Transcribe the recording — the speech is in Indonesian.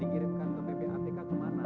dikirimkan ke ppatk kemana